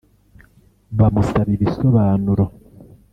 bamusaba ibisobanuro